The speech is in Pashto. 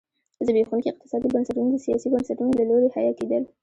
زبېښونکي اقتصادي بنسټونه د سیاسي بنسټونو له لوري حیه کېدل.